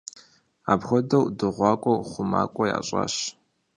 Апхуэдэу дыгъуакӏуэр хъумакӏуэ ящӏащ.